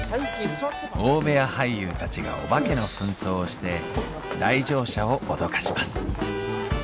大部屋俳優たちがお化けの扮装をして来場者を脅かします。